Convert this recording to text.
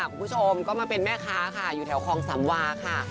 คุณผู้ชมก็มาเป็นแม่ค้าค่ะอยู่แถวคลองสำวาค่ะ